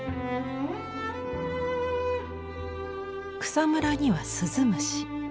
草むらには鈴虫。